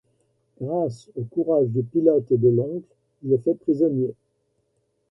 Grâce au courage du pilote et de l’oncle, il est fait prisonnier.